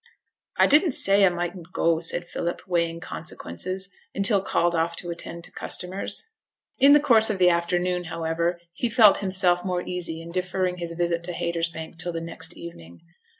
'I didn't say I mightn't go,' said Philip, weighing consequences, until called off to attend to customers. In the course of the afternoon, however, he felt himself more easy in deferring his visit to Haytersbank till the next evening.